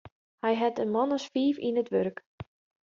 Hy hat in man as fiif yn it wurk.